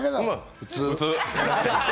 普通。